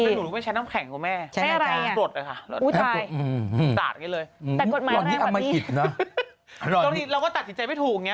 แต่หนูไม่ใช้น้ำแข็งกับแม่โดดเลยค่ะสาดอย่างนี้เลยตัวนี้เราก็ตัดสินใจไม่ถูก